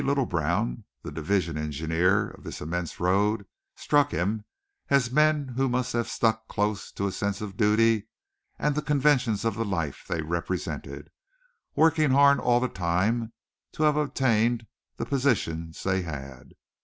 Litlebrown, the Division Engineer of this immense road, struck him as men who must have stuck close to a sense of duty and the conventions of the life they represented, working hard all the time, to have attained the positions they had.